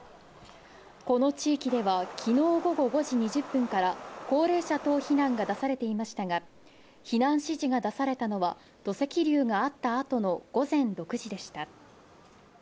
この地域では昨日午後５時２０分から高齢者等避難が出されていましたが避難指示が出されたのは土石流があったあとの午前６時でした。